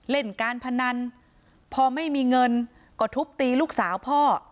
เล่นการพนันพอไม่มีเงินก็ทุบตีลูกสาวพ่อ